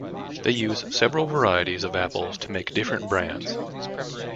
They use several varieties of apples to make different brands.